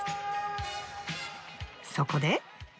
そこで。